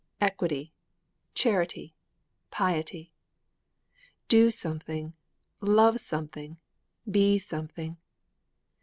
_' Equity! Charity! Piety! _Do something! Love something! Be something!